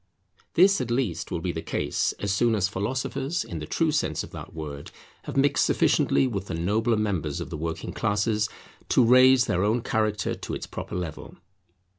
This at least will be the case as soon as philosophers in the true sense of that word have mixed sufficiently with the nobler members of the working classes to raise their own character to its proper level.